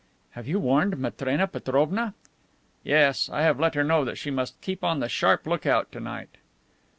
"Have you warned Matrena Petrovna?" "Yes, I have let her know that she must keep on the sharp look out to night."